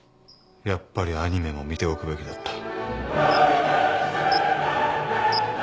やっぱりアニメも見ておくべきだった。